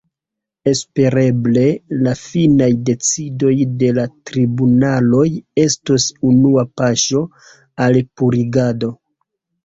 Espereble la finaj decidoj de la tribunaloj estos unua paŝo al purigado.